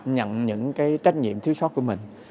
nhận những trách nhiệm thiếu sót của mình